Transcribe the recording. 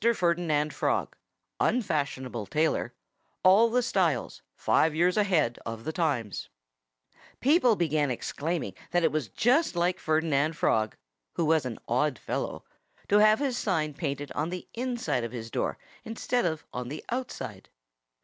FERDINAND FROG UNFASHIONABLE TAILOR ALL THE STYLES FIVE YEARS AHEAD OF THE TIMES People began exclaiming that that was just like Ferdinand Frog who was an odd fellow to have his sign painted on the inside of his door instead of on the outside.